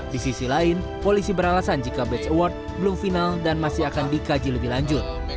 di sisi lain polisi beralasan jika batch award belum final dan masih akan dikaji lebih lanjut